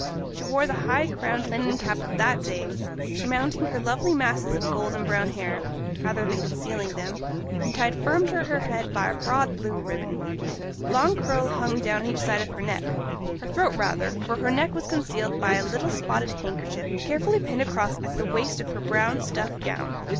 She wore the high crowned linen cap of that day, surmounting her lovely masses of golden brown hair, rather than concealing them, and tied firm to her head by a broad blue ribbon. A long curl hung down on each side of her neck her throat rather, for her neck was concealed by a little spotted handkerchief carefully pinned across at the waist of her brown stuff gown.